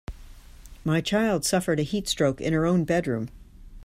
My child suffered a heat stroke in her own bedroom.